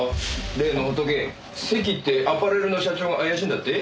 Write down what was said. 例のホトケ関ってアパレルの社長が怪しいんだって？